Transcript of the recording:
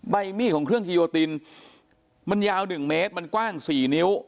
ใบมีดของเครื่องกิโยตินมันยาว๑เมตรมันกว้าง๔นิ้ว